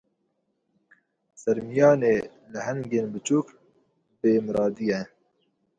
Sermiyanê lehengên biçûk, bêmiradî ye.